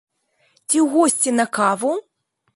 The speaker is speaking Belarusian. Ці ў госці на каву?